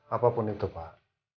apapun itu pak